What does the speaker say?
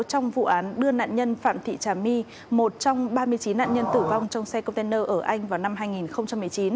trong vụ án đưa nạn nhân phạm thị trà my một trong ba mươi chín nạn nhân tử vong trong xe container ở anh vào năm hai nghìn một mươi chín